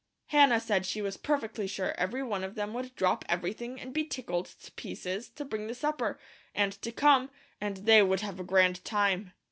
Hannah said she was perfectly sure everyone of them would drop everything, and be tickled to pieces to bring the supper, and to come, and they would have a grand time.